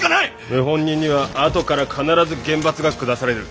謀反人にはあとから必ず厳罰が下される。